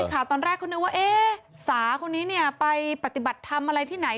ข่าวตอนแรกเขานึกว่าสาคนนี้เนี่ยไปปฏิบัติทำอะไรที่ไหน